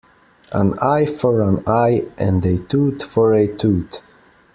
An eye for an eye and a tooth for a tooth.